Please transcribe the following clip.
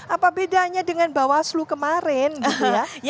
apa bedanya dengan bawaslu kemarin gitu ya